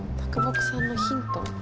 木さんのヒント？